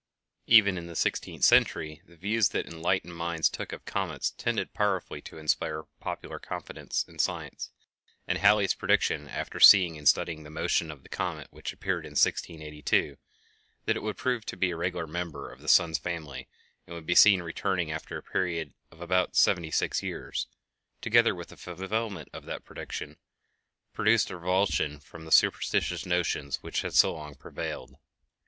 Even in the sixteenth century the views that enlightened minds took of comets tended powerfully to inspire popular confidence in science, and Halley's prediction, after seeing and studying the motion of the comet which appeared in 1682, that it would prove to be a regular member of the sun's family and would be seen returning after a period of about seventy six years, together with the fulfillment of that prediction, produced a revulsion from the superstitious notions which had so long prevailed.